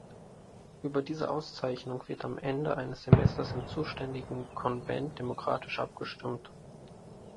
Über diese Auszeichnung wird am Ende eines Semesters im zuständigen Convent demokratisch abgestimmt.